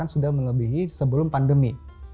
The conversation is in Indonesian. itu kan sudah melebihi sebelum pandemi